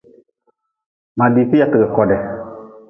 Ma diite yatgi kodi.